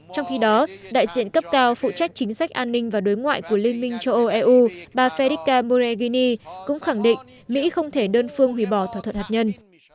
trong khi đó đại diện cấp cao phụ trách chính sách an ninh và đối ngoại của liên minh châu âu eu bà fedrica moregini cũng khẳng định mỹ không thể đơn phương hủy bỏ thỏa thuận hạt nhân